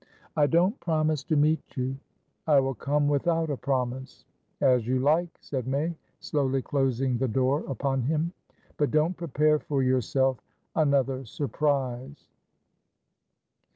"I don't promise to meet you." "I will come without a promise." "As you like," said May, slowly closing the door upon him. "But don't prepare for yourself another surprise."